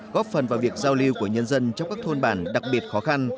góp phần vào việc giao lưu của nhân dân trong các thôn bản đặc biệt khó khăn